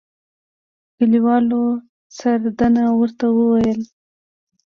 کلیوالو سردنه ورته ويل.